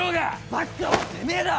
バカはてめえだ！